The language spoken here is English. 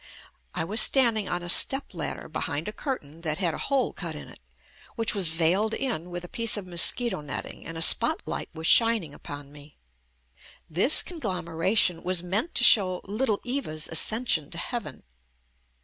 I was standing on a stepladder behind a curtain that had a hole cut in it, which was veiled in with a piece of mosquito netting, and a spotlight was shining upon me* This conglomeration was meant to show little Eva's ascension to heaven.